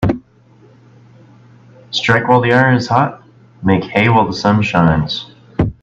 Strike while the iron is hot Make hay while the sun shines